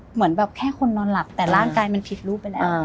เหมือนแบบแค่คนนอนหลับแต่ร่างกายมันผิดรูปไปแล้ว